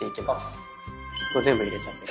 これ全部入れちゃって。